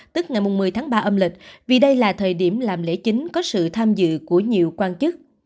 tức ngày một mươi tháng ba âm lịch vì đây là thời điểm làm lễ chính có sự tham dự của nhiều quan chức